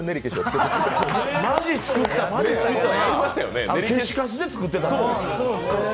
けしかすで作ってた。